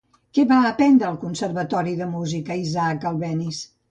Què va aprendre al Conservatori de Música Isaac Albéniz?